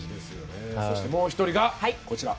そしてもう１人がこちら。